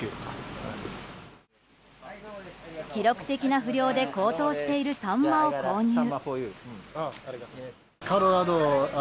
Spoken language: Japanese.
記録的な不漁で高騰しているサンマを購入。